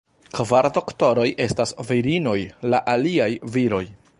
Kvar Doktoroj estas virinoj, la aliaj viroj.